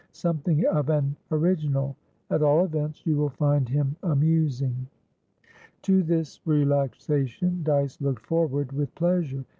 Something of an original; at all events you will find him amusing." To this relaxation Dyce looked forward with pleasure.